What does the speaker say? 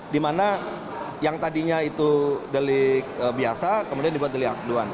dimana yang tadinya itu delik biasa kemudian dibuat delik aduan